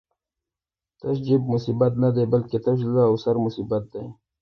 تش جېب مصیبت نه دی، بلکی تش زړه او سر مصیبت دی